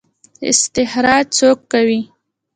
استخراج څوک کوي؟